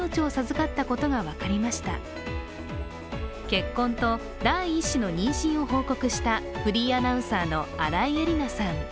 結婚と、第１子の妊娠を報告したフリーアナウンサーの新井恵理那さん。